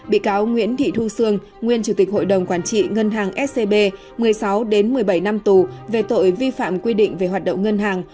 bị cáo nguyễn thị thu sương nguyên chủ tịch hội đồng quản trị ngân hàng scb một mươi sáu một mươi bảy năm tù về tội vi phạm quy định về hoạt động ngân hàng